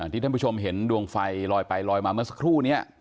ที่ท่านผู้ชมเห็นดวงไฟลอยไปลอยมาเมื่อสักครู่นี้